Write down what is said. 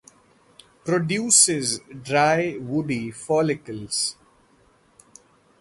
Produces dry woody follicles.